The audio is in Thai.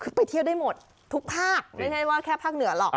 คือไปเที่ยวได้หมดทุกภาคไม่ใช่ว่าแค่ภาคเหนือหรอก